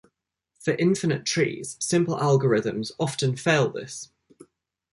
For infinite trees, simple algorithms often fail this.